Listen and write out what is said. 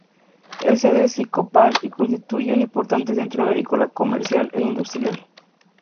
Es sede episcopal y constituye un importante centro agrícola, comercial e industrial.